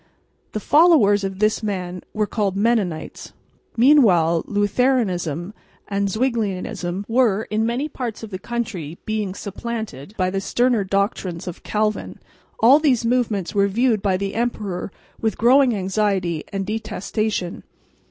The followers of this man were called Mennonites. Meanwhile Lutheranism and Zwinglianism were in many parts of the country being supplanted by the sterner doctrines of Calvin. All these movements were viewed by the emperor with growing anxiety and detestation.